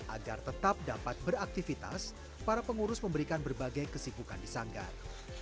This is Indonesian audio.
agar tetap dapat beraktivitas para pengurus memberikan berbagai kesibukan di sanggar